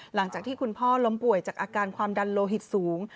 หลังจากที่คุณพ่อล้มป่วยจากอาการความดันโลหิตสูง